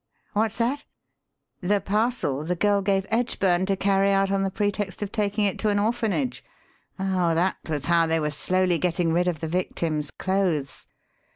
What's that? The parcel the girl gave Edgburn to carry out on the pretext of taking it to an orphanage? Oh, that was how they were slowly getting rid of the victims' clothes.